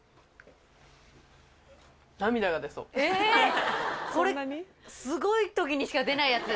えぇこれすごい時にしか出ないやつです。